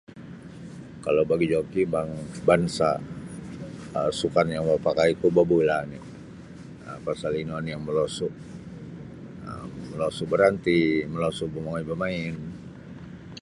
Kalau bagi joki bang bansa um sukan yang mapakaiku babula' oni um pasal ino oni' yang molosu' molosu baranti molosu' mongoi bamain.